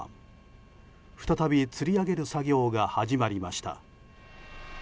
再びつり上げる作業が始まりました。